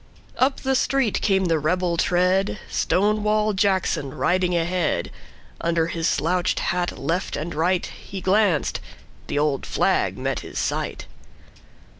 Up the street came the rebel tread, Stonewall Jackson riding ahead. Under his slouched hat left and rightHe glanced: the old flag met his sight.